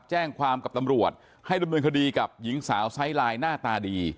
แจ้งความกับตำรวจให้ดำเนินคดีกับหญิงสาวไซส์ลายหน้าตาดี